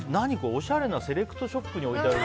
おしゃれなセレクトショップに置いてある。